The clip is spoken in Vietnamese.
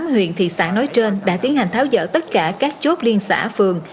tám huyện thị xã nói trên đã tiến hành tháo dỡ tất cả các chốt liên xã phường